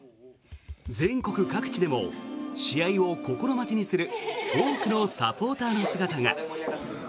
全国各地でも試合を心待ちにする多くのサポーターの姿が。